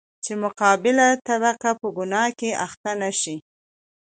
چـې مـقابله طبـقه پـه ګنـاه کـې اخـتـه نـشي.